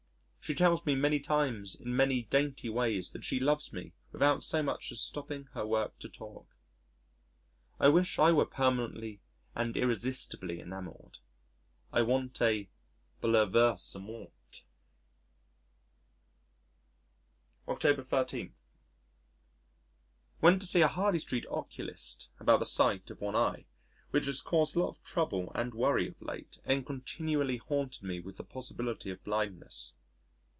She tells me many times in many dainty ways that she loves me without so much as stopping her work to talk. I wish I were permanently and irresistibly enamoured. I want a bouleversement.... October 13. Went to see a Harley Street oculist about the sight of one eye, which has caused a lot of trouble and worry of late and continuously haunted me with the possibility of blindness.